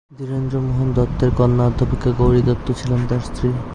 ধীরেন্দ্রমোহন দত্তের কন্যা অধ্যাপিকা গৌরী দত্ত ছিলেন তাঁর স্ত্রী।